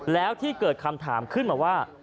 แล้วที่เกิดคำถามขึ้นมาว่า